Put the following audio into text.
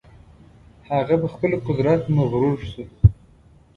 هغه په خپل قدرت مغرور شو.